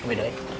kamu beda ya